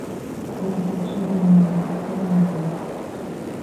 He was affectionately known as Tommy Nicol.